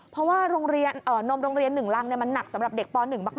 เพราะว่านมโรงเรียนหนึ่งรังมันหนักสำหรับเด็กป๑มาก